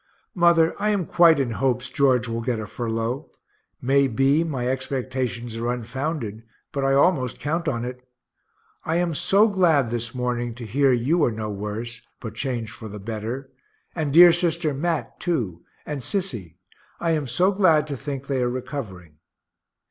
Mother, I am quite in hopes George will get a furlough may be my expectations are unfounded, but I almost count on it. I am so glad this morning to hear you are no worse, but changed for the better and dear sister Mat too, and Sissy, I am so glad to think they are recovering.